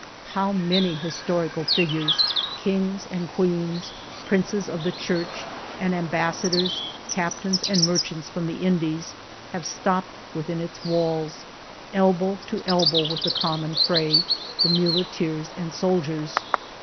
How many historical figures — kings and queens, princes of the Church and ambassadors, captains and merchants from the Indies — have stopped within its walls, elbow to elbow with the common fray, the muleteers, and soldiers.